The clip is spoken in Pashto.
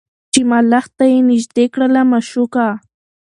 چي ملخ ته یې نیژدې کړله مشوکه